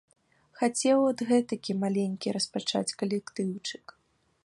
Хацеў от гэтакі маленькі распачаць калектыўчык.